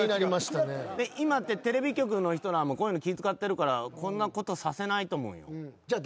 今ってテレビ局の人らもこういうの気使ってるからこんなことさせないと思うよ。